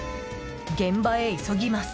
現場へ急ぎます。